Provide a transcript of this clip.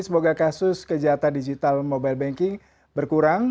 semoga kasus kejahatan digital mobile banking berkurang